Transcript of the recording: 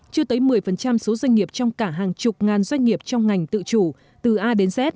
chưa tới một mươi số doanh nghiệp trong cả hàng chục ngàn doanh nghiệp trong ngành tự chủ từ a đến z